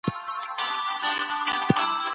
ايا د هري سختي ستونزي له پاره مناسب حل شتون لري؟